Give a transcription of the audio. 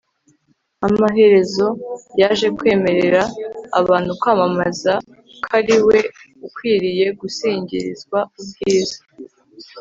amaherezo yaje kwemerera abantu kumwamamaza ko ari we ukwiriye gusingirizwa ubwiza